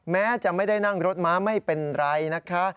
แม้จะไม่ได้นั่งรถม้าไม่เป็นไรนะคะ